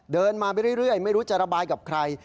เดินมาไปเรื่อยไม่รู้จะระบายกับใคร